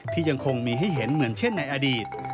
ยังคงมีให้เห็นเหมือนเช่นในอดีต